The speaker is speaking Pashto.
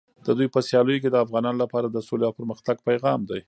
د دوی په سیالیو کې د افغانانو لپاره د سولې او پرمختګ پیغام دی.